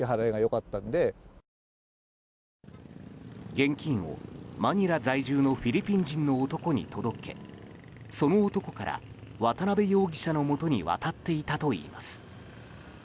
現金を、マニラ在住のフィリピン人の男に届けその男から渡邉容疑者のもとに渡っていたといいます。